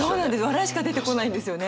笑いしか出てこないんですよね。